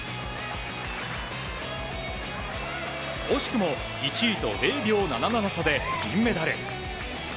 惜しくも１位と０秒７７差で銀メダル。